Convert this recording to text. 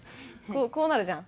こうなるじゃん。